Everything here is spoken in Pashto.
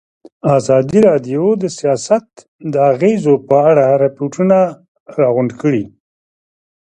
ازادي راډیو د سیاست د اغېزو په اړه ریپوټونه راغونډ کړي.